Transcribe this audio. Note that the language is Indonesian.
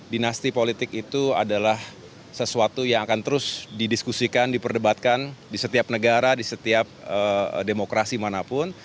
dinasti politik itu adalah sesuatu yang akan terus didiskusikan diperdebatkan di setiap negara di setiap demokrasi manapun